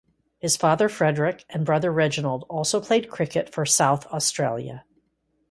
His father Frederick and brother Reginald also played cricket for South Australia.